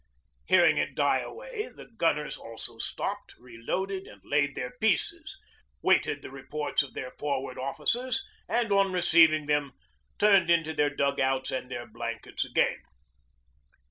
Hearing it die away, the gunners also stopped, reloaded, and laid their pieces, waited the reports of their Forward Officers, and on receiving them turned into their dug outs and their blankets again.